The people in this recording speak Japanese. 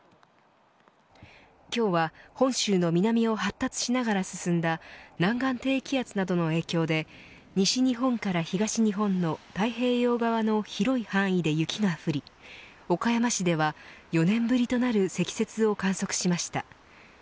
今日は本州の南を発達しながら進んだ南岸低気圧などの影響で西日本から東日本の太平洋側の広い範囲で雪が降り岡山市では４年ぶりとなる積雪を観測しました。